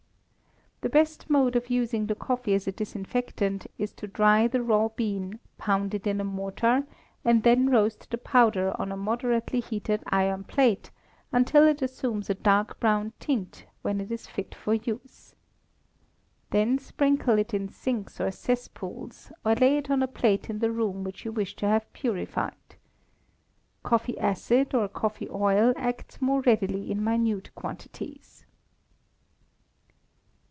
The best mode of using the coffee as a disinfectant is to dry the raw bean, pound it in a mortar, and then roast the powder on a moderately heated iron plate, until it assumes a dark brown tint, when it is fit for use. Then sprinkle it in sinks or cess pools, or lay it on a plate in the room which you wish to have purified. Coffee acid or coffee oil acts more readily in minute quantities.